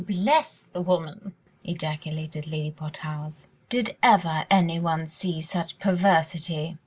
"Bless the woman!" ejaculated Lady Portarles, "did ever anyone see such perversity?